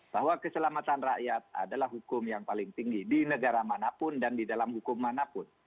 dan keselamatan rakyat adalah hukum yang paling tinggi di negara manapun dan di dalam hukum manapun